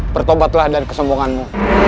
bertobatlah dari kesombonganmu